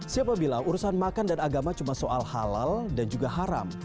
siapa bilang urusan makan dan agama cuma soal halal dan juga haram